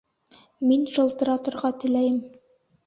Мин шылтыратырға теләйем